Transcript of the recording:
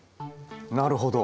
なるほど。